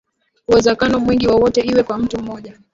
uwezekano mwingine wowote iwe kwa mtu mmoja